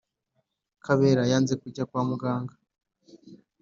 kabera yanze kujya kwa muganga